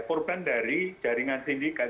program dari jaringan sindikat